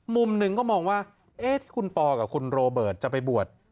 มุมหนึ่งก็มองว่าที่คุณปอกับคุณโรเบิร์ตจะไปบวช